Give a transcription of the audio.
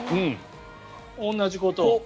同じことを。